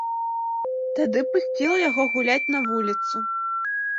Тады пусціла яго гуляць на вуліцу.